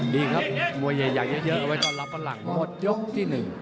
ดีครับมัวยี่ยักษ์เยอะเราจับตะลับมันล่างมดยกที่๑